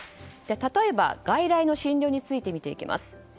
例えば、外来の診療について見ていきます。